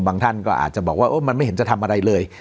ท่านก็อาจจะบอกว่ามันไม่เห็นจะทำอะไรเลย